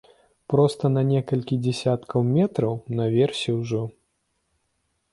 Проста на некалькі дзясяткаў метраў, наверсе ўжо.